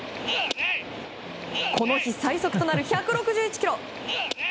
この日最速となる１６１キロ。